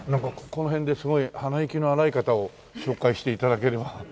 この辺ですごい鼻息の荒い方を紹介して頂ければ。